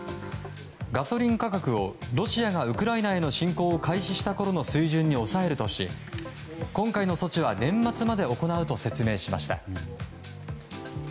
ガソリン価格をロシアがウクライナへの侵攻を開始したころの水準に抑えるとし今回の措置は年末まで行うと説明しました。